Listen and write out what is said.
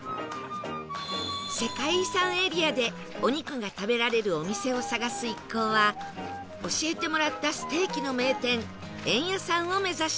世界遺産エリアでお肉が食べられるお店を探す一行は教えてもらったステーキの名店エンヤさんを目指します